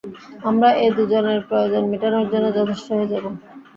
আমরা এ দুজনের প্রয়োজন মিটানোর জন্য যথেষ্ট হয়ে যাব।